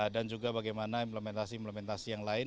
juga bagaimana implementasi implementasi yang lain